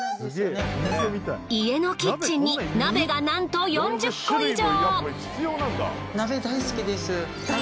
家のキッチンに鍋がなんと４０個以上！